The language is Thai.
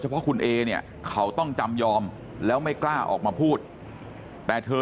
เพราะคุณเอเนี่ยเขาต้องจำยอมแล้วไม่กล้าออกมาพูดแต่เธอ